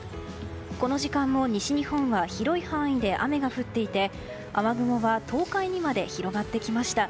この時間も西日本は広い範囲で雨が降っていて雨雲は東海にまで広がってきました。